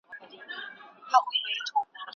د دوی د مشاهدې ډول نيمګړی و.